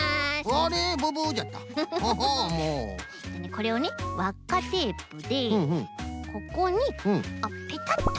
これをねわっかテープでここにペタッと。